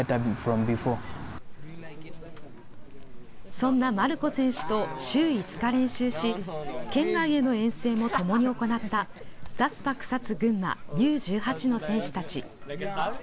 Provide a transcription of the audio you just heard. そんなマルコ選手と週５日練習し、県外への遠征も共に行ったザスパクサツ群馬Ｕ１８の選手たち。